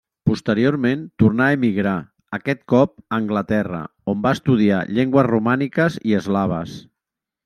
Posteriorment tornà a emigrar, aquest cop a Anglaterra, on va estudiar llengües romàniques i eslaves.